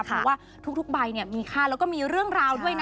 เพราะว่าทุกใบมีค่าแล้วก็มีเรื่องราวด้วยนะ